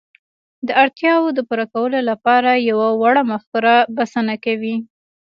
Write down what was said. د اړتياوو د پوره کولو لپاره يوه وړه مفکوره بسنه کوي.